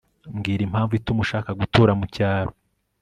mbwira impamvu ituma ushaka gutura mu cyaro